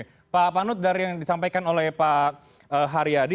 terima kasih banyak banyak yang disampaikan oleh pak haryadi